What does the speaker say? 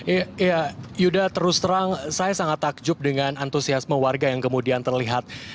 iya yuda terus terang saya sangat takjub dengan antusiasme warga yang kemudian terlihat